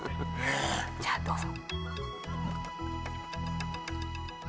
じゃあどうぞ。